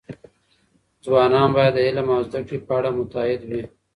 ځوانان باید د علم او زده کړې په اړه متعهد وي.